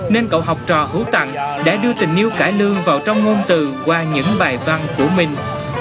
nên cậu học trò hữu tặng đã đưa tình yêu cải lương vào trong ngôn từ qua những bài văn của mình